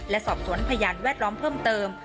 และสอบสวนพยานแวดล้อมเพิ่มเติม